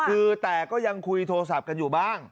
คือแต่ก็ยังคุยโทรศัพท์กันอยู่บ้าง